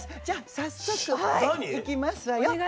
じゃあ早速いきますわよ。